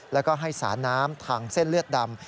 แล้วก็ให้สาน้ำทางเส้นเลือดดำ